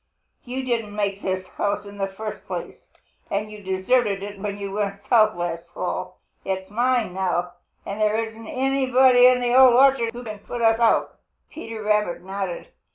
You didn't make this house in the first place, and you deserted it when you went south last fall. It's mine now, and there isn't anybody in the Old Orchard who can put me out." Peter Rabbit nodded.